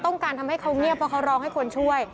ต้องการทำให้เขาเงียบเพราะเขาร้องให้คนช่วย